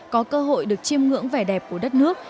có cơ hội được chiêm ngưỡng vẻ đẹp của đất nước